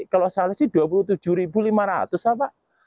kalau salah sih dua puluh tujuh lima ratus pak